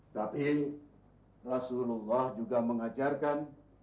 tapi rasulullah juga mengajarkan